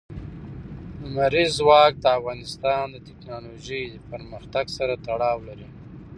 لمریز ځواک د افغانستان د تکنالوژۍ پرمختګ سره تړاو لري.